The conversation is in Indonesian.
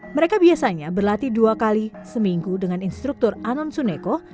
mereka biasanya berlatih dua kali seminggu dengan instruktur anam suneko